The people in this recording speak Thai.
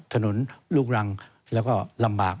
ลูกรังแล้วก็ลำบาก